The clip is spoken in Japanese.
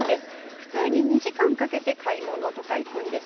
普通に２時間かけて買い物とかに行くんです。